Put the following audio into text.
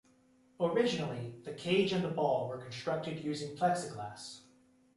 Originally, the cage and the ball were constructed using Plexiglas.